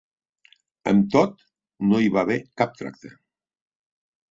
Amb tot, no hi va haver cap tracte.